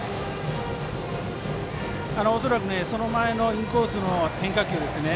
恐らくその前のインコースの変化球ですね